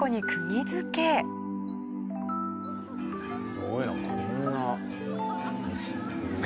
すごいなこんな。